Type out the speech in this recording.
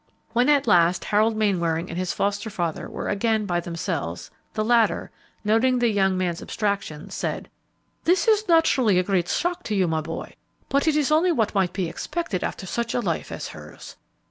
When at last Harold Mainwaring and his foster father were again by themselves, the latter, noting the younger man's abstraction, said, "This is naturally a great shock to you, my boy, but it is only what might be expected after such a life as hers.